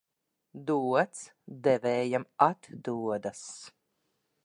Dots devējām atdodas.